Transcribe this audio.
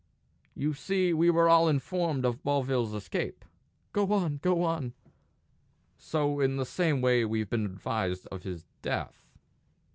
"You see we were all informed of Bovill's escape." "Go on! Go on!" "So in the same way we've been advised of his death."